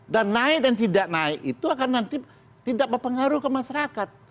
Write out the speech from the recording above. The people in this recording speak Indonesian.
dan naik dan tidak naik itu akan nanti tidak berpengaruh ke masyarakat